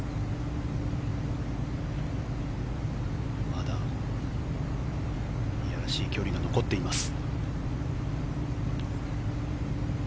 まだ嫌らしい距離が残っています。